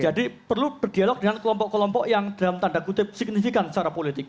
jadi perlu berdialog dengan kelompok kelompok yang dalam tanda kutip signifikan secara politik